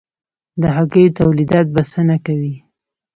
د هګیو تولیدات بسنه کوي؟